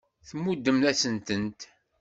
Tmuddem-asen-tent.